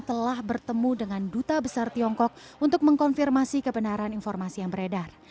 telah bertemu dengan duta besar tiongkok untuk mengkonfirmasi kebenaran informasi yang beredar